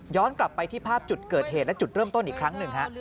กลับไปที่ภาพจุดเกิดเหตุและจุดเริ่มต้นอีกครั้งหนึ่งฮะ